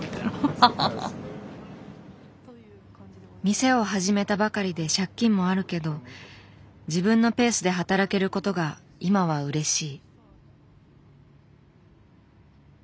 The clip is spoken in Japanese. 店を始めたばかりで借金もあるけど自分のペースで働けることが今はうれしい。